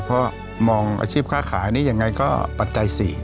เพราะมองอาชีพค้าขายนี่ยังไงก็ปัจจัย๔